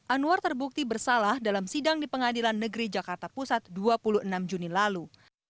anwar terbukti bersalah dalam sidang di pengadilan negeri jakarta pusat dua puluh enam juni lalu